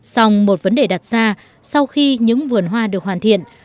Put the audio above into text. xong một vấn đề đặt ra sau khi những vườn hoa được hoàn thiện